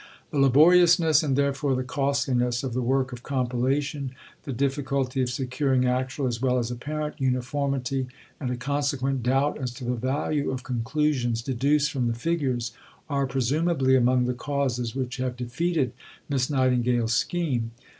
The laboriousness, and therefore the costliness, of the work of compilation, the difficulty of securing actual, as well as apparent, uniformity, and a consequent doubt as to the value of conclusions deduced from the figures are presumably among the causes which have defeated Miss Nightingale's scheme.